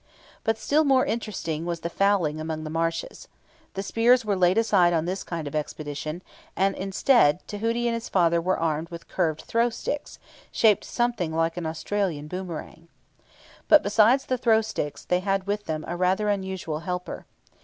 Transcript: But still more interesting was the fowling among the marshes. The spears were laid aside on this kind of expedition, and instead, Tahuti and his father were armed with curved throw sticks, shaped something like an Australian boomerang. But, besides the throw sticks, they had with them a rather unusual helper.